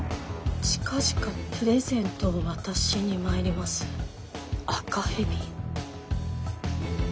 「近々プレゼントを渡しに参ります赤蛇」。